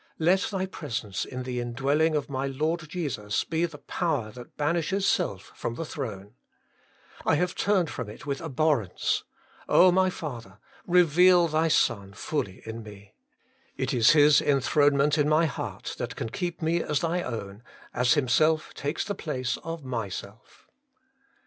Let Thy Presence in the indwelling of my Lord Jesus be the power that banishes self from the throne. I have turned from it with abhorrence ; oh, my Father, reveal Thy Son fully in me ! it is His enthronement in my heart can keep me as Thy own, as Himself takes the place of myself.